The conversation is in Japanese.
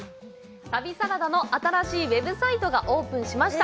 旅サラダの新しいウェブサイトがオープンしました！